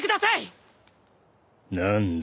何だ？